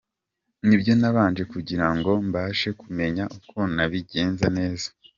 Ni byo nabanje kugira ngo mbashe kumenya uko nabigenza neza.